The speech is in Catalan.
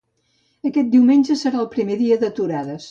Aquest diumenge serà el primer dia d'aturades.